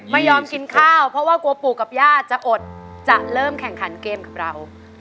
ไม่ยอมกินข้าวเพราะว่ากลัวปู่กับย่าจะอดจะเริ่มแข่งขันเกมกับเรา